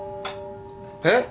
えっ？